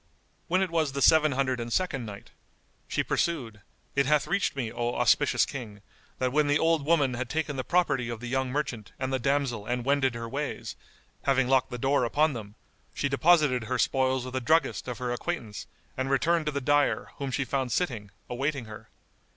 When it was the Seven Hundred and Second Night, She pursued, It hath reached me, O auspicious King, that when the old woman had taken the property of the young merchant and the damsel and wended her ways, having locked the door upon them, she deposited her spoils with a druggist of her acquaintance and returned to the dyer, whom she found sitting, awaiting her.